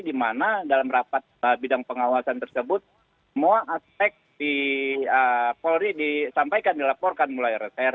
di mana dalam rapat bidang pengawasan tersebut semua aspek di polri disampaikan dilaporkan mulai reser